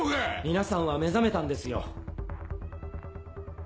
皆さんは目覚めたんですよ。